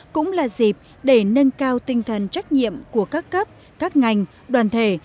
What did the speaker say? cũng là dịp để nâng cao tinh thần trách nhiệm của các cấp các ngành đoàn thể